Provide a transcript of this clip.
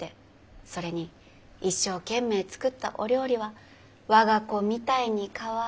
それに一生懸命作ったお料理は我が子みたいにかわいいって。